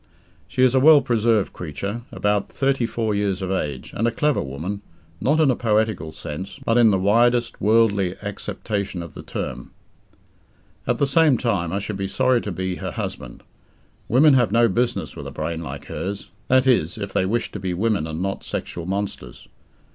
She is a well preserved creature, about thirty four years of age, and a clever woman not in a poetical sense, but in the widest worldly acceptation of the term. At the same time, I should be sorry to be her husband. Women have no business with a brain like hers that is, if they wish to be women and not sexual monsters.